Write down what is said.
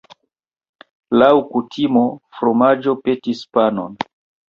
Laŭ kutimo, fromaĝo petis panon.